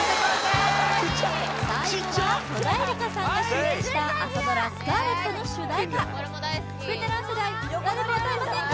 最後は戸田恵梨香さんが主演した朝ドラ「スカーレット」の主題歌ベテラン世代誰も歌えませんか？